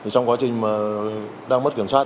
trong quá trình đang mất kiểm soát